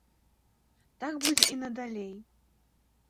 Так будзе і надалей.